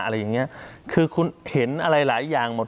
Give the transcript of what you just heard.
อะไรอย่างเงี้ยคือคุณเห็นอะไรหลายอย่างหมด